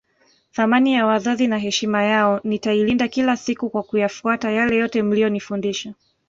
Thamani ya wazazi na heshima yao nitailinda kila siku kwa kuyafuata yale yote mliyonifundisha